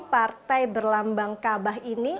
partai berlambang kabah ini